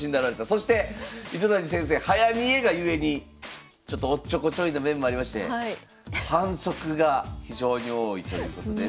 そして糸谷先生早見えがゆえにちょっとおっちょこちょいの面もありまして「反則」が非常に多いということで。